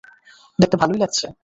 দেখতে ভালোই লাগছে।